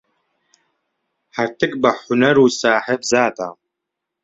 هەرتک بە حونەر و ساحێب زاتە.